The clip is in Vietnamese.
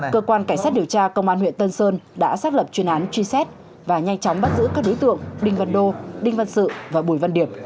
cơ quan cảnh sát điều tra công an huyện tân sơn đã xác lập chuyên án truy xét và nhanh chóng bắt giữ các đối tượng đinh văn đô đinh văn sự và bùi văn điệp